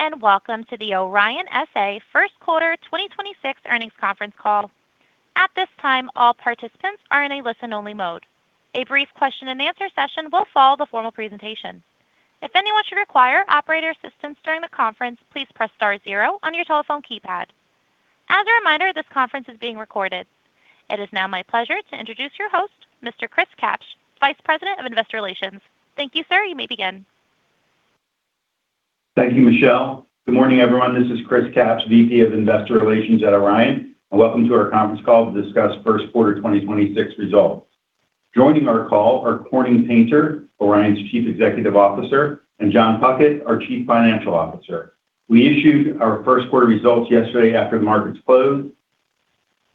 Greetings and welcome to the Orion S.A. 1st quarter 2026 earnings conference call. At this time, all participants are in a listen-only mode. A brief question and answer session will follow the formal presentation. If anyone should require operator assistance during the conference, please press star zero on your telephone keypad. As a reminder, this conference is being recorded. It is now my pleasure to introduce your host, Mr. Chris Kapsch, Vice President of Investor Relations. Thank you, sir. You may begin. Thank you, Michelle. Good morning, everyone. This is Chris Kapsch, VP of Investor Relations at Orion, and welcome to our conference call to discuss first quarter 2026 results. Joining our call are Corning Painter, Orion's Chief Executive Officer, and Jon Puckett, our Chief Financial Officer. We issued our first quarter results yesterday after the markets closed,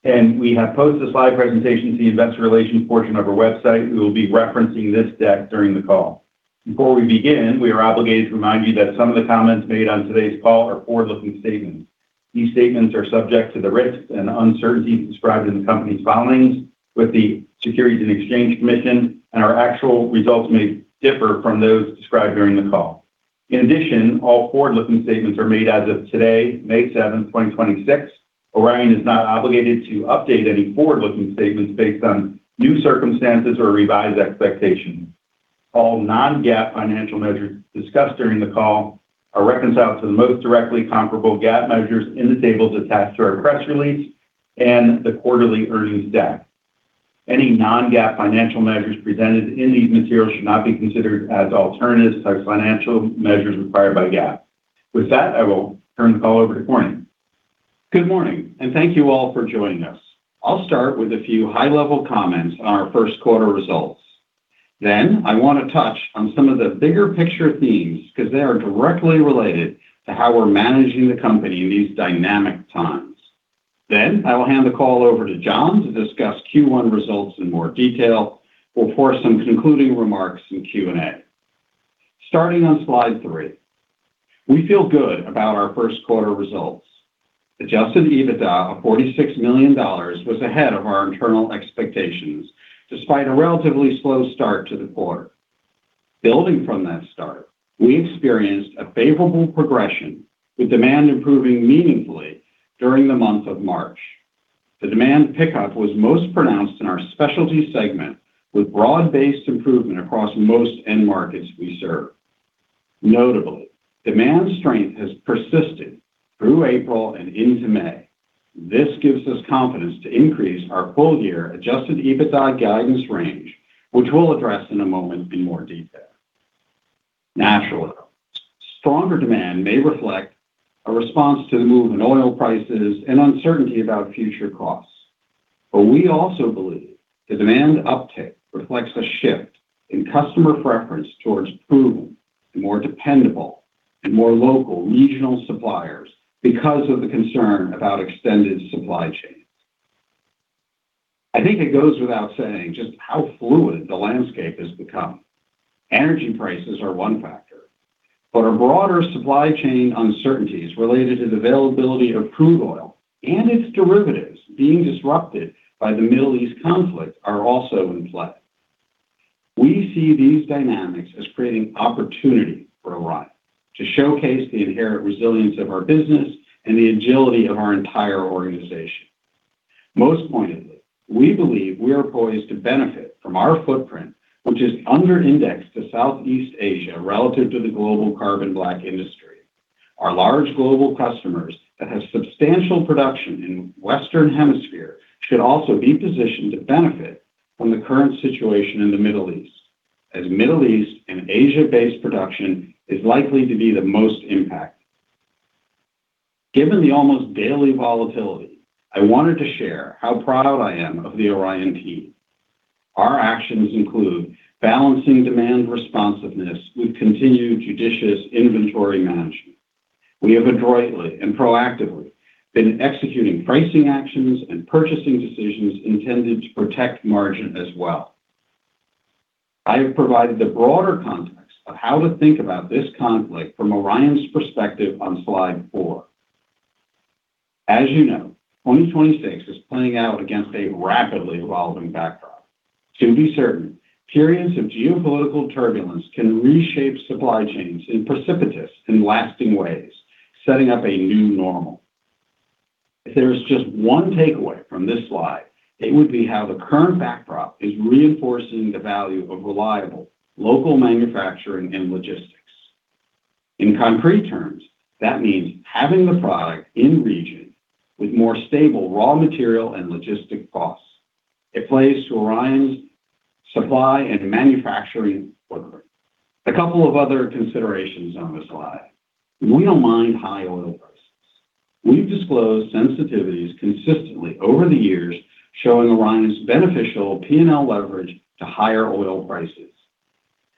and we have posted a slide presentation to the investor relations portion of our website. We will be referencing this deck during the call. Before we begin, we are obligated to remind you that some of the comments made on today's call are forward-looking statements. These statements are subject to the risks and uncertainties described in the company's filings with the Securities and Exchange Commission, and our actual results may differ from those described during the call. In addition, all forward-looking statements are made as of today, May seventh, 2026. Orion is not obligated to update any forward-looking statements based on new circumstances or revised expectations. All non-GAAP financial measures discussed during the call are reconciled to the most directly comparable GAAP measures in the tables attached to our press release and the quarterly earnings deck. Any non-GAAP financial measures presented in these materials should not be considered as alternatives to financial measures required by GAAP. With that, I will turn the call over to Corning. Good morning, and thank you all for joining us. I'll start with a few high-level comments on our first quarter results. I want to touch on some of the bigger picture themes because they are directly related to how we're managing the company in these dynamic times. I will hand the call over to Jon to discuss Q1 results in more detail before some concluding remarks and Q&A. Starting on slide three, we feel good about our first quarter results. Adjusted EBITDA of $46 million was ahead of our internal expectations despite a relatively slow start to the quarter. Building from that start, we experienced a favorable progression with demand improving meaningfully during the month of March. The demand pickup was most pronounced in our specialty segment with broad-based improvement across most end markets we serve. Notably, demand strength has persisted through April and into May. This gives us confidence to increase our full-year adjusted EBITDA guidance range, which we'll address in a moment in more detail. Naturally, stronger demand may reflect a response to the move in oil prices and uncertainty about future costs. We also believe the demand uptick reflects a shift in customer preference towards proven, more dependable, and more local regional suppliers because of the concern about extended supply chains. I think it goes without saying just how fluid the landscape has become. Energy prices are 1 factor, but our broader supply chain uncertainties related to the availability of crude oil and its derivatives being disrupted by the Middle East conflict are also in play. We see these dynamics as creating opportunity for Orion to showcase the inherent resilience of our business and the agility of our entire organization. Most pointedly, we believe we are poised to benefit from our footprint, which is under indexed to Southeast Asia relative to the global carbon black industry. Our large global customers that have substantial production in Western Hemisphere should also be positioned to benefit from the current situation in the Middle East, as Middle East and Asia-based production is likely to be the most impacted. Given the almost daily volatility, I wanted to share how proud I am of the Orion team. Our actions include balancing demand responsiveness with continued judicious inventory management. We have adroitly and proactively been executing pricing actions and purchasing decisions intended to protect margin as well. I have provided the broader context of how to think about this conflict from Orion's perspective on slide four. As you know, 2026 is playing out against a rapidly evolving backdrop. To be certain, periods of geopolitical turbulence can reshape supply chains in precipitous and lasting ways, setting up a new normal. If there is just one takeaway from this slide, it would be how the current backdrop is reinforcing the value of reliable local manufacturing and logistics. In concrete terms, that means having the product in region with more stable raw material and logistic costs. It plays to Orion's supply and manufacturing footprint. A couple of other considerations on this slide. We don't mind high oil prices. We've disclosed sensitivities consistently over the years showing Orion's beneficial P&L leverage to higher oil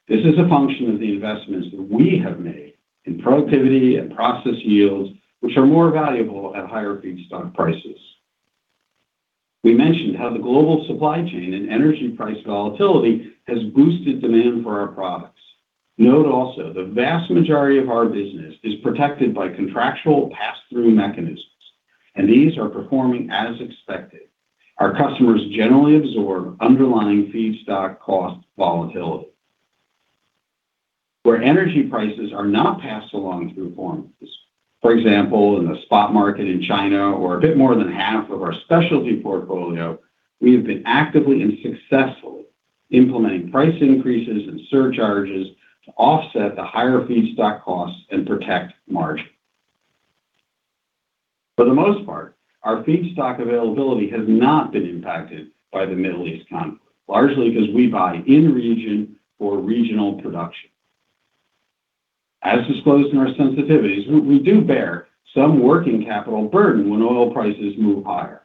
prices. This is a function of the investments that we have made in productivity and process yields, which are more valuable at higher feedstock prices. We mentioned how the global supply chain and energy price volatility has boosted demand for our products. Note also, the vast majority of our business is protected by contractual pass-through mechanisms. These are performing as expected. Our customers generally absorb underlying feedstock cost volatility. Where energy prices are not passed along through formulas. For example, in the spot market in China or a bit more than half of our specialty portfolio, we have been actively and successfully implementing price increases and surcharges to offset the higher feedstock costs and protect margin. For the most part, our feedstock availability has not been impacted by the Middle East conflict, largely because we buy in region for regional production. As disclosed in our sensitivities, we do bear some working capital burden when oil prices move higher.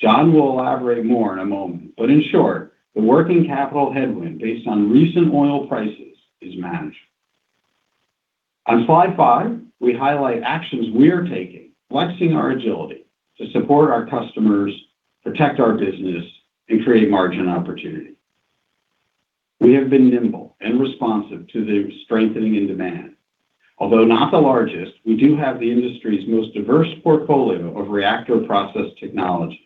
Jon will elaborate more in a moment, in short, the working capital headwind based on recent oil prices is manageable. On slide 5, we highlight actions we are taking, flexing our agility to support our customers, protect our business, and create margin opportunity. We have been nimble and responsive to the strengthening in demand. Although not the largest, we do have the industry's most diverse portfolio of reactor process technologies.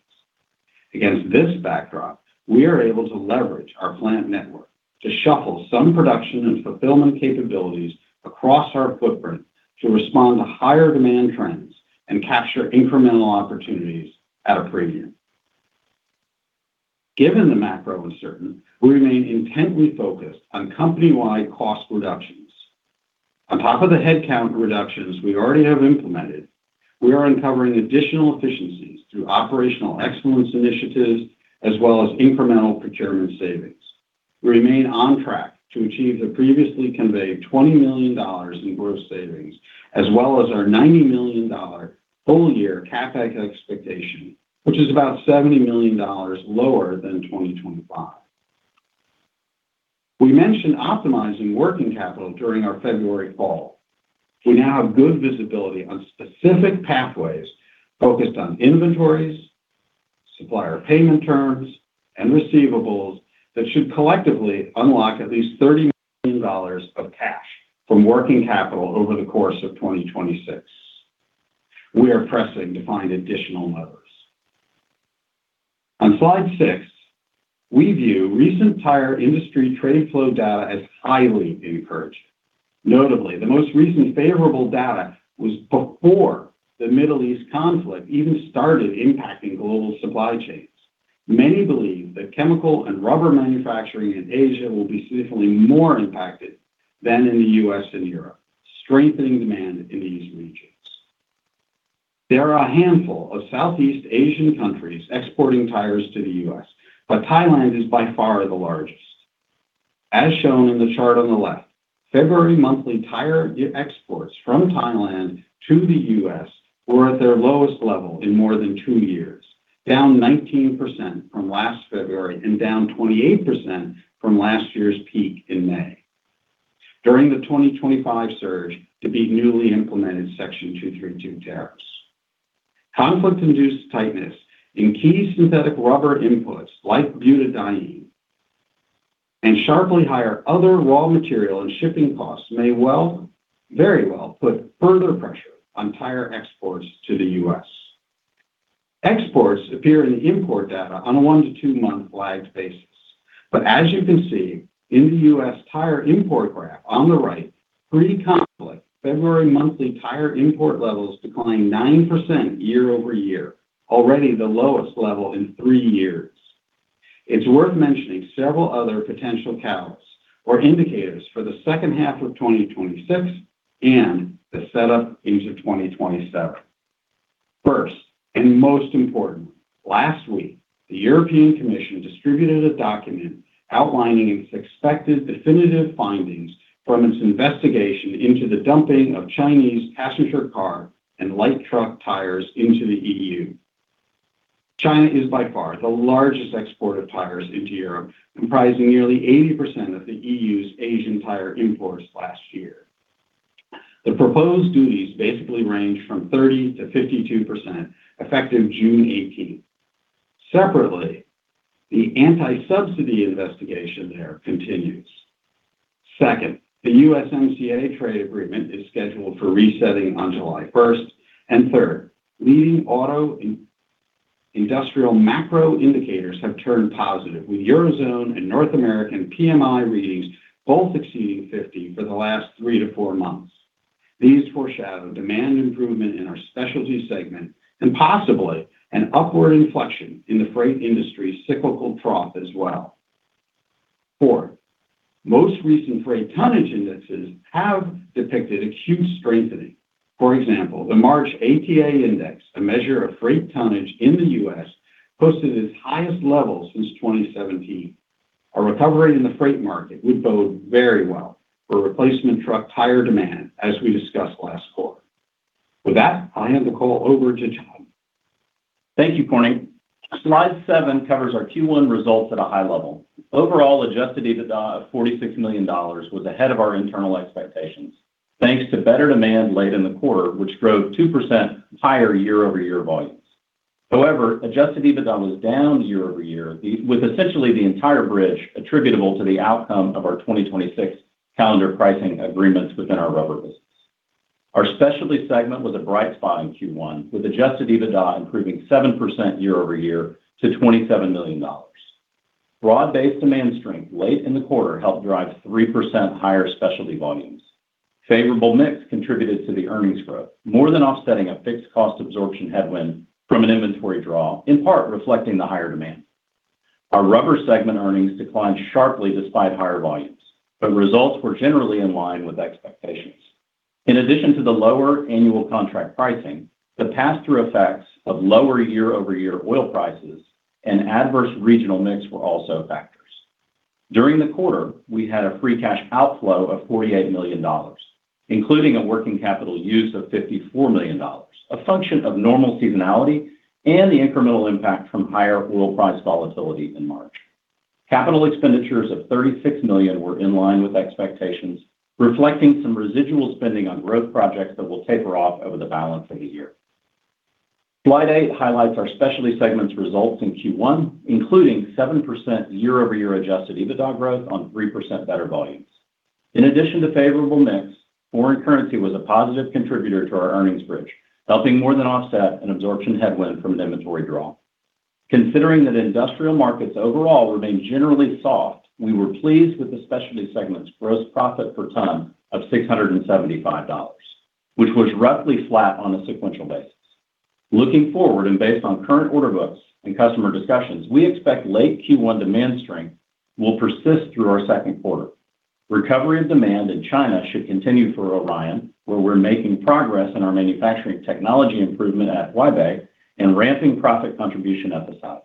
Against this backdrop, we are able to leverage our plant network to shuffle some production and fulfillment capabilities across our footprint to respond to higher demand trends and capture incremental opportunities at a premium. Given the macro uncertainty, we remain intently focused on company-wide cost reductions. On top of the headcount reductions we already have implemented, we are uncovering additional efficiencies through operational excellence initiatives as well as incremental procurement savings. We remain on track to achieve the previously conveyed $20 million in gross savings, as well as our $90 million full-year CapEx expectation, which is about $70 million lower than 2025. We mentioned optimizing working capital during our February call. We now have good visibility on specific pathways focused on inventories, supplier payment terms, and receivables that should collectively unlock at least $30 million of cash from working capital over the course of 2026. We are pressing to find additional levers. On slide 6, we view recent tire industry trade flow data as highly encouraging. Notably, the most recent favorable data was before the Middle East conflict even started impacting global supply chains. Many believe that chemical and rubber manufacturing in Asia will be significantly more impacted than in the U.S. and Europe, strengthening demand in these regions. There are a handful of Southeast Asian countries exporting tires to the U.S., but Thailand is by far the largest. As shown in the chart on the left, February monthly tire exports from Thailand to the U.S. were at their lowest level in more than two years, down 19% from last February and down 28% from last year's peak in May. During the 2025 surge, to be newly implemented Section 232 tariffs. Conflict-induced tightness in key synthetic rubber inputs like butadiene and sharply higher other raw material and shipping costs may well, very well put further pressure on tire exports to the U.S. Exports appear in the import data on a one to two-month lag basis. As you can see in the U.S. tire import graph on the right, pre-conflict February monthly tire import levels declined 9% year-over-year, already the lowest level in three years. It's worth mentioning several other potential catalysts or indicators for the second half of 2026 and the setup into 2027. First, and most important, last week, the European Commission distributed a document outlining its expected definitive findings from its investigation into the dumping of Chinese passenger car and light truck tires into the EU. China is by far the largest exporter of tires into Europe, comprising nearly 80% of the EU's Asian tire imports last year. The proposed duties basically range from 30%-52%, effective June 18th. Separately, the anti-subsidy investigation there continues. Second, the USMCA trade agreement is scheduled for resetting on July 1st. Third, leading auto and industrial macro indicators have turned positive, with Eurozone and North American PMI readings both exceeding 50 for the last three to four months. These foreshadow demand improvement in our specialty segment and possibly an upward inflection in the freight industry's cyclical trough as well. Four, most recent freight tonnage indices have depicted acute strengthening. For example, the March ATA index, a measure of freight tonnage in the U.S., posted its highest level since 2017. A recovery in the freight market would bode very well for replacement truck tire demand, as we discussed last quarter. With that, I'll hand the call over to Jon. Thank you, Corning. Slide 7 covers our Q1 results at a high level. Overall adjusted EBITDA of $46 million was ahead of our internal expectations. Thanks to better demand late in the quarter, which drove 2% higher year-over-year volumes. Adjusted EBITDA was down year-over-year, with essentially the entire bridge attributable to the outcome of our 2026 calendar pricing agreements within our rubber business. Our specialty segment was a bright spot in Q1, with adjusted EBITDA improving 7% year-over-year to $27 million. Broad-based demand strength late in the quarter helped drive 3% higher specialty volumes. Favorable mix contributed to the earnings growth, more than offsetting a fixed cost absorption headwind from an inventory draw, in part reflecting the higher demand. Our rubber segment earnings declined sharply despite higher volumes. Results were generally in line with expectations. In addition to the lower annual contract pricing, the pass-through effects of lower year-over-year oil prices and adverse regional mix were also factors. During the quarter, we had a free cash outflow of $48 million, including a working capital use of $54 million, a function of normal seasonality and the incremental impact from higher oil price volatility in March. Capital expenditures of $36 million were in line with expectations, reflecting some residual spending on growth projects that will taper off over the balance of the year. Slide 8 highlights our specialty segment's results in Q1, including 7% year-over-year adjusted EBITDA growth on 3% better volumes. In addition to favorable mix, foreign currency was a positive contributor to our earnings bridge, helping more than offset an absorption headwind from an inventory draw. Considering that industrial markets overall remained generally soft, we were pleased with the specialty segment's gross profit per ton of $675, which was roughly flat on a sequential basis. Based on current order books and customer discussions, we expect late Q1 demand strength will persist through our second quarter. Recovery of demand in China should continue for Orion, where we're making progress in our manufacturing technology improvement at Huaibei and ramping profit contribution at the site.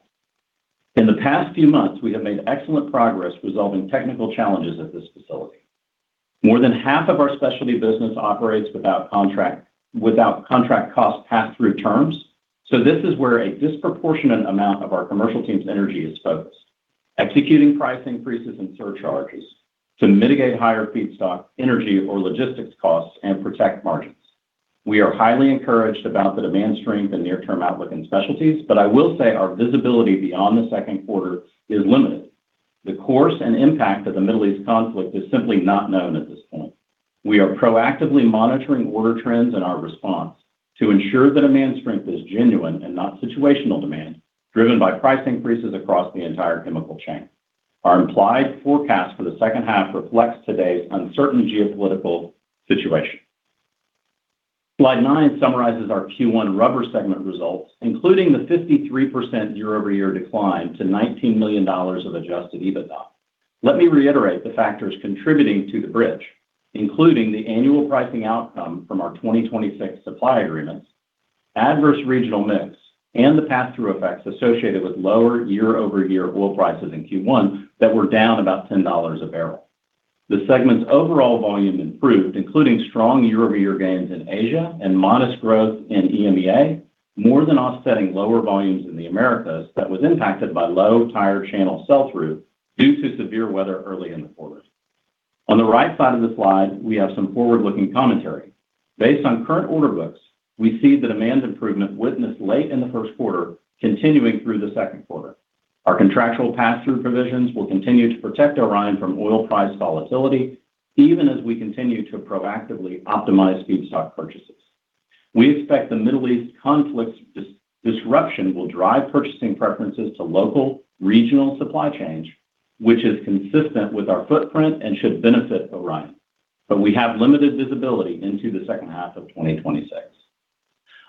In the past few months, we have made excellent progress resolving technical challenges at this facility. More than half of our specialty business operates without contract cost pass-through terms. This is where a disproportionate amount of our commercial team's energy is focused, executing price increases and surcharges to mitigate higher feedstock, energy, or logistics costs and protect margins. We are highly encouraged about the demand strength and near-term outlook in specialties, but I will say our visibility beyond the second quarter is limited. The course and impact of the Middle East conflict is simply not known at this point. We are proactively monitoring order trends and our response to ensure that demand strength is genuine and not situational demand driven by price increases across the entire chemical chain. Our implied forecast for the second half reflects today's uncertain geopolitical situation. Slide 9 summarizes our Q1 rubber segment results, including the 53% year-over-year decline to $19 million of adjusted EBITDA. Let me reiterate the factors contributing to the bridge, including the annual pricing outcome from our 2026 supply agreements, adverse regional mix, and the pass-through effects associated with lower year-over-year oil prices in Q1 that were down about $10 a barrel. The segment's overall volume improved, including strong year-over-year gains in Asia and modest growth in EMEA, more than offsetting lower volumes in the Americas that was impacted by low tire channel sell-through due to severe weather early in the quarter. On the right side of the slide, we have some forward-looking commentary. Based on current order books, we see the demand improvement witnessed late in the first quarter continuing through the second quarter. Our contractual pass-through provisions will continue to protect Orion from oil price volatility, even as we continue to proactively optimize feedstock purchases. We expect the Middle East conflict's disruption will drive purchasing preferences to local regional supply chains, which is consistent with our footprint and should benefit Orion. We have limited visibility into the second half of 2026.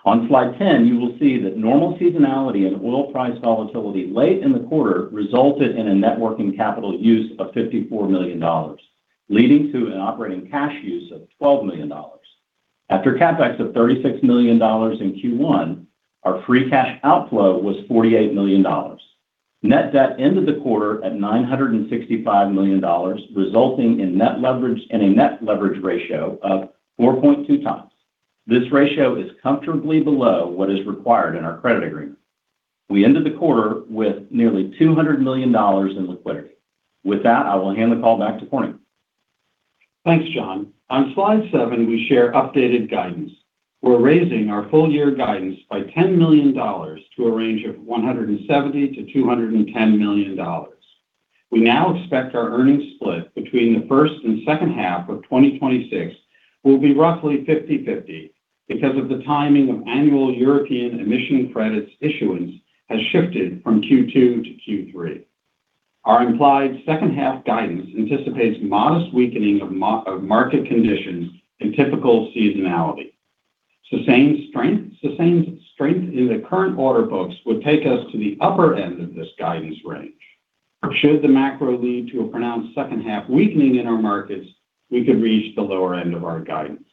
On slide 10, you will see that normal seasonality and oil price volatility late in the quarter resulted in a net working capital use of $54 million, leading to an operating cash use of $12 million. After CapEx of $36 million in Q1, our free cash outflow was $48 million. Net debt ended the quarter at $965 million, resulting in net leverage and a net leverage ratio of 4.2x. This ratio is comfortably below what is required in our credit agreement. We ended the quarter with nearly $200 million in liquidity. With that, I will hand the call back to Corning. Thanks, Jon. On slide 7, we share updated guidance. We're raising our full year guidance by $10 million to a range of $170 million-$210 million. We now expect our earnings split between the first and second half of 2026 will be roughly 50/50 because of the timing of annual European emission credits issuance has shifted from Q2 to Q3. Our implied second-half guidance anticipates modest weakening of market conditions and typical seasonality. Sustained strength in the current order books would take us to the upper end of this guidance range. Should the macro lead to a pronounced second-half weakening in our markets, we could reach the lower end of our guidance.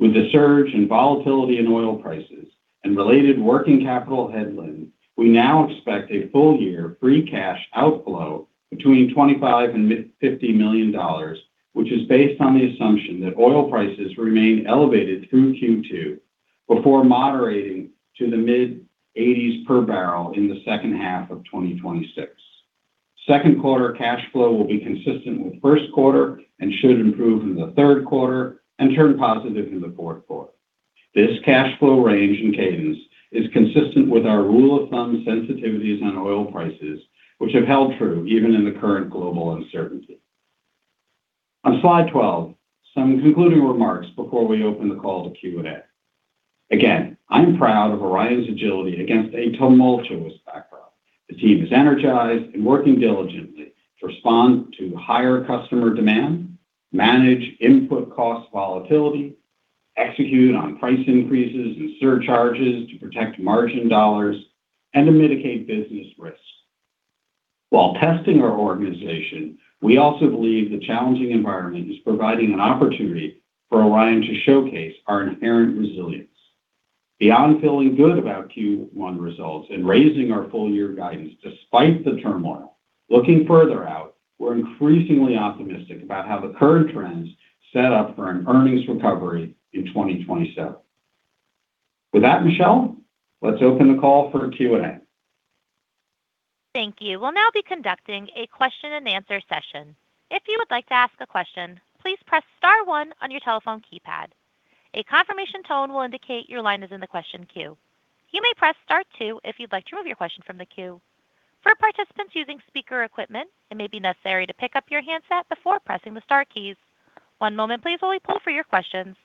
With the surge in volatility in oil prices and related working capital headwind, we now expect a full-year free cash outflow between $25 million and $50 million, which is based on the assumption that oil prices remain elevated through Q2 before moderating to the mid-$80s per barrel in the second half of 2026. Second quarter cash flow will be consistent with 1st quarter and should improve in the 3rd quarter and turn positive in the 4th quarter. This cash flow range and cadence is consistent with our rule of thumb sensitivities on oil prices, which have held true even in the current global uncertainty. On slide 12, some concluding remarks before we open the call to Q&A. Again, I'm proud of Orion's agility against a tumultuous backdrop. The team is energized and working diligently to respond to higher customer demand, manage input cost volatility, execute on price increases and surcharges to protect margin dollars, and to mitigate business risks. While testing our organization, we also believe the challenging environment is providing an opportunity for Orion to showcase our inherent resilience. Beyond feeling good about Q1 results and raising our full year guidance despite the turmoil, looking further out, we're increasingly optimistic about how the current trends set up for an earnings recovery in 2027. With that, Michelle, let's open the call for Q&A. Thank you. We'll now be conducting a question and answer session. If you would like to ask a question, please press star one on your telephone keypad. A confirmation tone will indicate your line is in the question queue. You may press star two if you'd like to remove your question from the queue. For participants using speaker equipment, it may be necessary to pick up your handset before pressing the star keys. One moment please while we poll for your questions.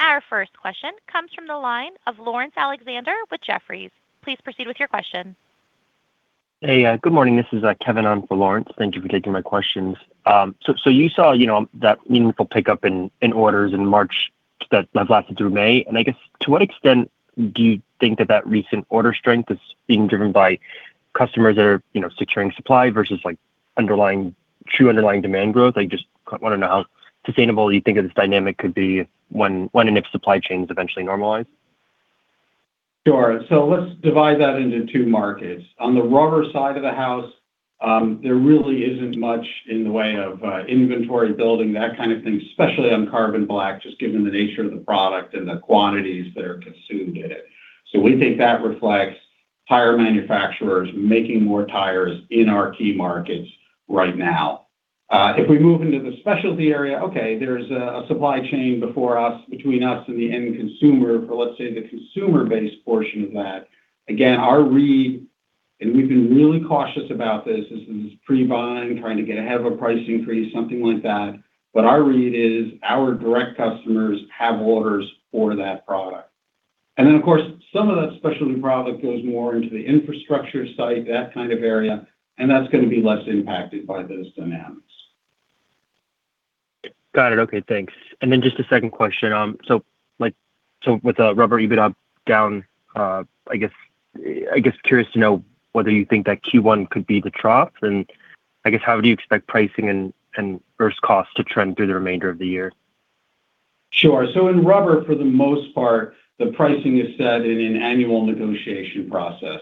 Our first question comes from the line of Laurence Alexander with Jefferies. Please proceed with your question. Hey, good morning. This is Kevin on for Laurence. Thank you for taking my questions. You saw, you know, that meaningful pickup in orders in March that have lasted through May. I guess, to what extent do you think that recent order strength is being driven by customers that are, you know, securing supply versus, like, true underlying demand growth? I just wanna know how sustainable you think of this dynamic could be when and if supply chains eventually normalize. Sure. Let's divide that into two markets. On the rubber side of the house, there really isn't much in the way of inventory building, that kind of thing, especially on carbon black, just given the nature of the product and the quantities that are consumed in it. We think that reflects tire manufacturers making more tires in our key markets right now. If we move into the specialty area, okay, there's a supply chain before us, between us and the end consumer for, let's say, the consumer-based portion of that. Again, our read, and we've been really cautious about this is pre-buying, trying to get ahead of a price increase, something like that. Our read is our direct customers have orders for that product. Of course, some of that specialty product goes more into the infrastructure side, that kind of area, and that's gonna be less impacted by those dynamics. Got it. Okay, thanks. Just a second question. With rubber EBITDA down, I guess curious to know whether you think that Q1 could be the trough. I guess, how do you expect pricing and first cost to trend through the remainder of the year? Sure. In rubber, for the most part, the pricing is set in an annual negotiation process.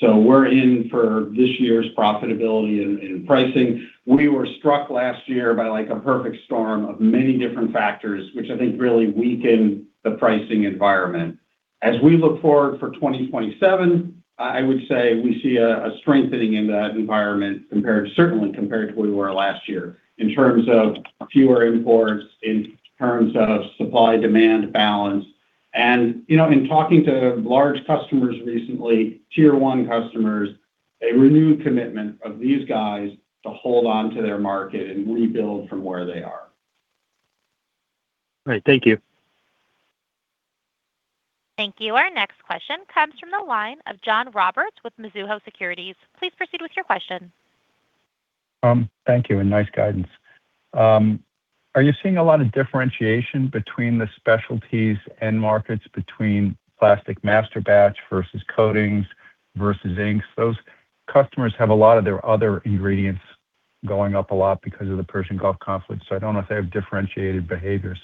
We're in for this year's profitability in pricing. We were struck last year by, like, a perfect storm of many different factors, which I think really weakened the pricing environment. As we look forward for 2027, I would say we see a strengthening in that environment compared, certainly compared to where we were last year in terms of fewer imports, in terms of supply-demand balance. You know, in talking to large customers recently, tier 1 customers, a renewed commitment of these guys to hold onto their market and rebuild from where they are. Great. Thank you. Thank you. Our next question comes from the line of John Roberts with Mizuho Securities. Please proceed with your question. Thank you. Nice guidance. Are you seeing a lot of differentiation between the specialties end markets between plastic masterbatch versus coatings versus inks? Those customers have a lot of their other ingredients going up a lot because of the Persian Gulf conflict. I don't know if they have differentiated behaviors.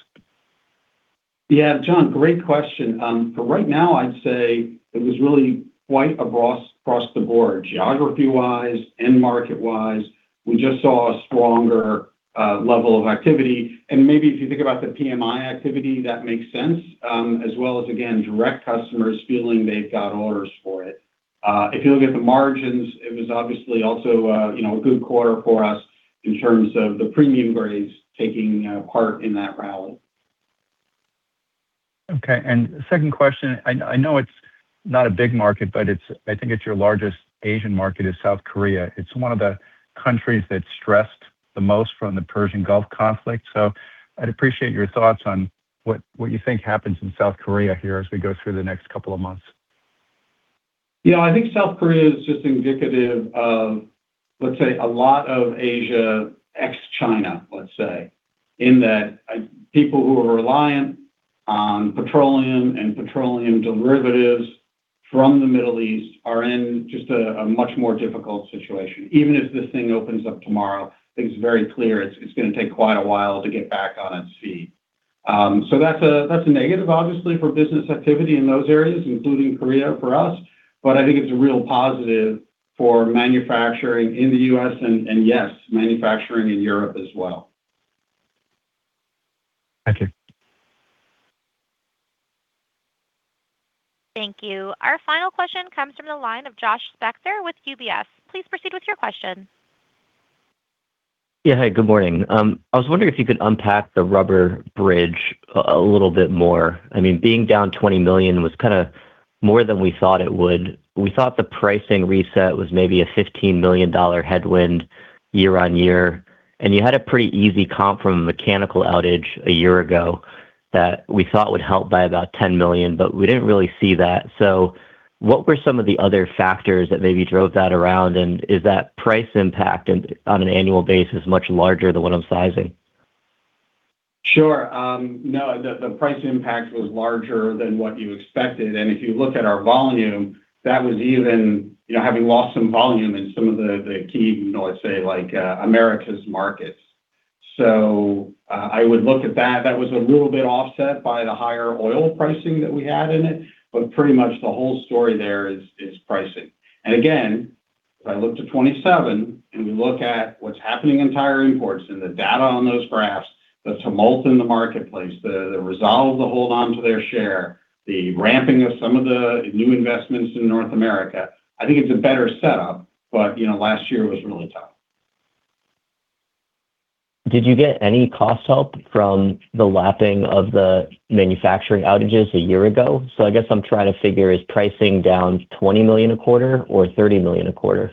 Yeah, John, great question. For right now, I'd say it was really quite across the board, geography-wise, end market-wise. We just saw a stronger level of activity. Maybe if you think about the PMI activity, that makes sense, as well as, again, direct customers feeling they've got orders for it. If you look at the margins, it was obviously also, you know, a good quarter for us in terms of the premium grades taking part in that rally. Okay. Second question, I know it's not a big market, but I think it's your largest Asian market is South Korea. It's one of the countries that's stressed the most from the Persian Gulf conflict. I'd appreciate your thoughts on what you think happens in South Korea here as we go through the next couple of months. I think South Korea is just indicative of, let's say, a lot of Asia ex-China, let's say, in that, people who are reliant on petroleum and petroleum derivatives from the Middle East are in just a much more difficult situation. Even if this thing opens up tomorrow, I think it's very clear it's gonna take quite a while to get back on its feet. That's a negative, obviously, for business activity in those areas, including Korea for us, but I think it's a real positive for manufacturing in the U.S. and yes, manufacturing in Europe as well. Thank you. Thank you. Our final question comes from the line of Josh Spector with UBS. Please proceed with your question. Yeah, hi, good morning. I was wondering if you could unpack the rubber bridge a little bit more. I mean, being down $20 million was kinda more than we thought it would. We thought the pricing reset was maybe a $15 million headwind year-on-year. You had a pretty easy comp from a mechanical outage a year ago that we thought would help by about $10 million, but we didn't really see that. What were some of the other factors that maybe drove that around, and is that price impact on an annual basis much larger than what I'm sizing? Sure. The price impact was larger than what you expected. If you look at our volume, that was even, you know, having lost some volume in some of the key, you know, let's say like, Americas markets. I would look at that. That was a little bit offset by the higher oil pricing that we had in it, but pretty much the whole story there is pricing. Again, if I look to 2027 and we look at what's happening in tire imports and the data on those graphs, the tumult in the marketplace, the resolve to hold onto their share, the ramping of some of the new investments in North America, I think it's a better setup, but, you know, last year was really tough. Did you get any cost help from the lapping of the manufacturing outages a year ago? I guess I'm trying to figure, is pricing down $20 million a quarter or $30 million a quarter?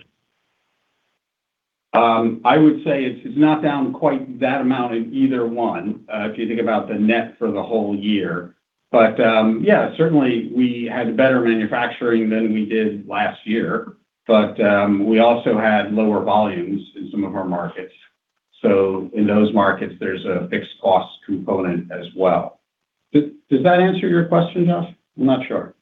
I would say it's not down quite that amount in either one, if you think about the net for the whole year. Yeah, certainly we had better manufacturing than we did last year. We also had lower volumes in some of our markets. In those markets, there's a fixed cost component as well. Does that answer your question, Josh? I'm not sure.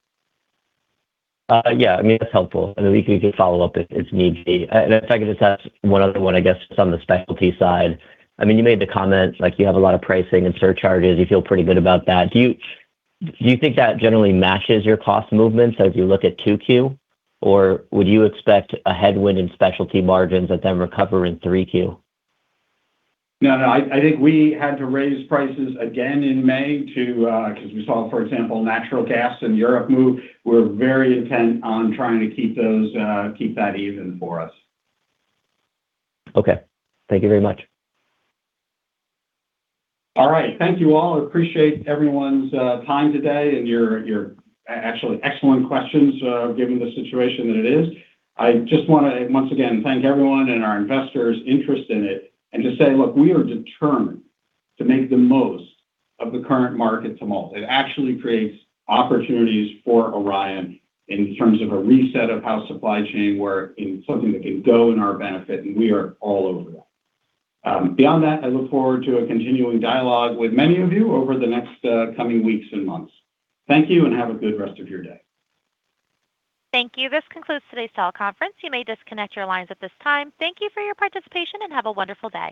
Yeah, I mean, it's helpful, and we can do follow-up if needs be. If I could just ask one other one, I guess, on the specialty side. I mean, you made the comment, like you have a lot of pricing and surcharges. You feel pretty good about that. Do you think that generally matches your cost movements as you look at 2Q? Or would you expect a headwind in specialty margins that then recover in 3Q? No, no, I think we had to raise prices again in May to 'cause we saw, for example, natural gas in Europe move. We're very intent on trying to keep those, keep that even for us. Okay. Thank you very much. All right. Thank you all. I appreciate everyone's time today and your actually excellent questions given the situation that it is. I just wanna once again thank everyone and our investors' interest in it and to say, look, we are determined to make the most of the current market tumult. It actually creates opportunities for Orion in terms of a reset of how supply chain work and something that can go in our benefit, and we are all over that. Beyond that, I look forward to a continuing dialogue with many of you over the next coming weeks and months. Thank you, and have a good rest of your day. Thank you. This concludes today's teleconference. You may disconnect your lines at this time. Thank you for your participation, and have a wonderful day.